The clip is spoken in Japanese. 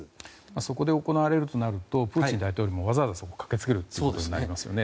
そこで行われるとなるとプーチン大統領もわざわざ駆けつけるとなりますよね。